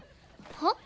はっ？